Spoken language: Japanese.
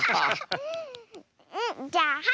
うんじゃあはい！